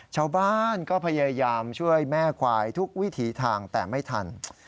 ชาวบ้านก็พยายามช่วยแม่ควายทุกวิถีทางแต่ไม่ทัน